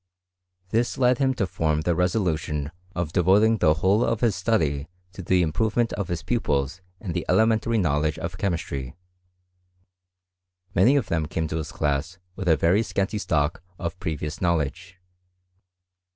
This led him to torto the resolution of devoting the whole of his study to ibe improvement of his pupils in the elementary knowledge of chemistry. Many of them came to his class with a very scanty stock of previous knowledge.